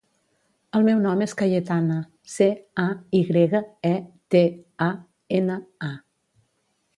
El meu nom és Cayetana: ce, a, i grega, e, te, a, ena, a.